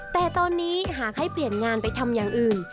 แต่ตอนนี้หากให้เปลี่ยนงานไปทำอย่างอื่น